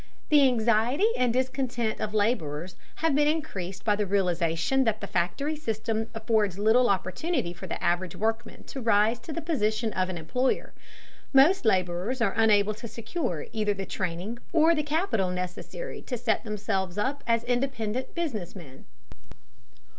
The anxiety and discontent of laborers have been increased by the realization that the factory system affords little opportunity for the average workman to rise to the position of an employer. Most laborers are unable to secure either the training or the capital necessary to set themselves up as independent business men.